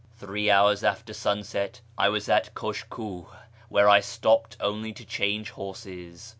Three hours |ter sunset I was at Kushkiih, where I stopped only to change irses.